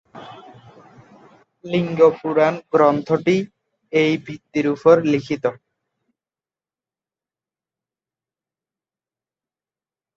লিঙ্গ পুরাণ গ্রন্থটি এই ভিত্তির উপর লিখিত।